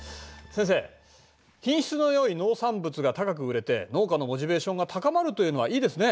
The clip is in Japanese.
先生品質のよい農産物が高く売れて農家のモチベーションが高まるというのはいいですね。